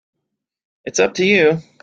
It's up to you.